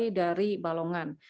masyarakat yang berhubungan